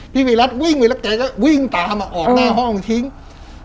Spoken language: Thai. พี่วีรัสวิ่งไปแล้วแกก็วิ่งตามออกหน้าห้องอังกฏ